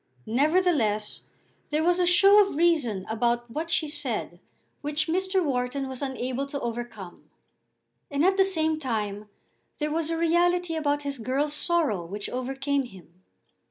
Nevertheless there was a show of reason about what she said which Mr. Wharton was unable to overcome. And at the same time there was a reality about his girl's sorrow which overcame him.